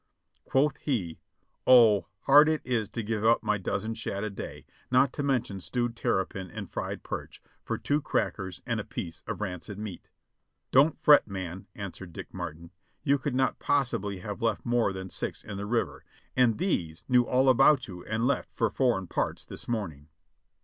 Quoth he: "Oh! hard it is to give up my dozen shad a day, not to mention stewed terrapin and fried perch, for two crackers and a piece of rancid meat." "Don't fret, man," answered Dick Martin ; "you could not pos sibly have left more than six in the river, and these knew all about you and left for foreign parts this morning."